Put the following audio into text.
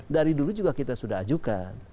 dari dulu juga kita sudah ajukan